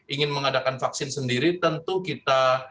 ingin mengadakan vaksin sendiri tentu kita